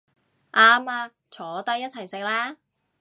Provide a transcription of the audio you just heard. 啱吖，坐低一齊食啦